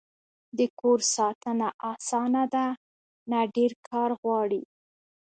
د کور ساتنه اسانه ده؟ نه، ډیر کار غواړی